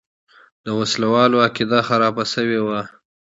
د وسله والو عقیده خرابه شوې وه.